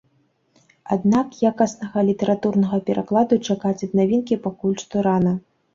Аднак якаснага літаратурнага перакладу чакаць ад навінкі пакуль што рана.